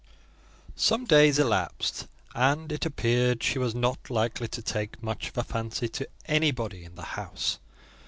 Some days elapsed, and it appeared she was not likely to take much of a fancy to anybody in the house.